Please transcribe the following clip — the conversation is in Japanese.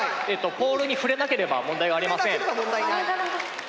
ポールに触れなければ問題はありません。